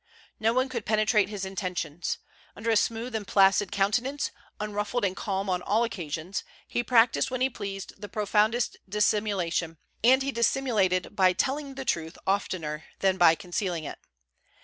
No one could penetrate his intentions. Under a smooth and placid countenance, unruffled and calm on all occasions, he practised when he pleased the profoundest dissimulation; and he dissimulated by telling the truth oftener than by concealing it.